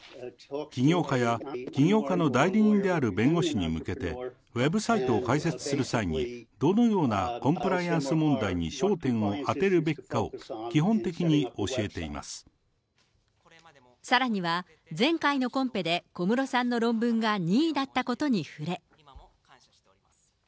起業家や起業家の代理人の弁護士に向けて、ウェブサイトを開設する際に、どのようなコンプライアンス問題に焦点を当てるべきかを基本的にさらには、前回のコンペで、小室さんの論文が２位だったことに触れ。